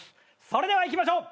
それではいきましょう！